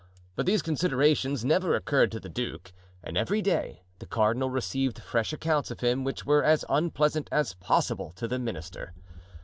But these considerations never occurred to the duke and every day the cardinal received fresh accounts of him which were as unpleasant as possible to the minister.